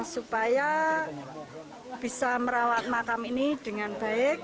supaya bisa merawat makam ini dengan baik